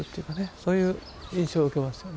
そういう印象を受けますよね。